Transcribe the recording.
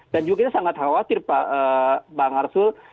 dan juga kita sangat khawatir pak pak ngarstul